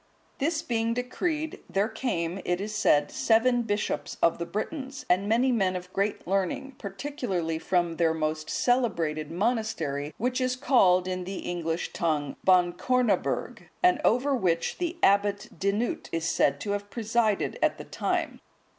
This being decreed, there came, it is said, seven bishops of the Britons,(166) and many men of great learning, particularly from their most celebrated monastery, which is called, in the English tongue, Bancornaburg,(167) and over which the Abbot Dinoot(168) is said to have presided at that time.